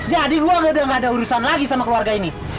jadi gue gak ada urusan lagi sama keluarga ini